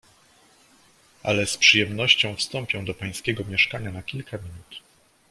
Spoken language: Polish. "Ale z przyjemnością wstąpię do pańskiego mieszkania na kilka minut."